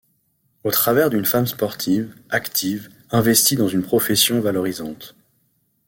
Au travers d'une femme sportive, active, investie dans une profession valorisante.